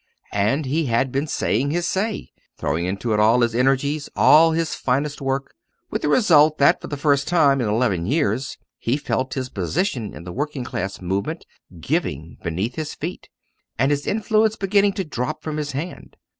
And he had been saying his say throwing into it all his energies, all his finest work. With the result that for the first time in eleven years he felt his position in the working class movement giving beneath his feet, and his influence beginning to drop from his hand.